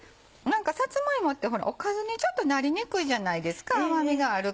さつま芋っておかずにちょっとなりにくいじゃないですか甘みがあるから。